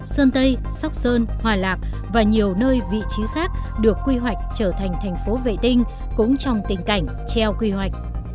sơn tây sóc sơn hòa lạc và nhiều nơi vị trí khác được quy hoạch trở thành thành phố vệ tinh cũng trong tình cảnh treo quy hoạch